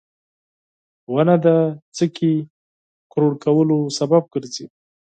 • ونه د ځمکې قوي کولو سبب ګرځي.